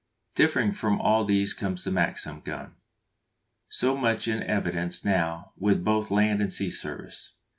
_ Differing from all these comes the Maxim gun, so much in evidence now with both land and sea service.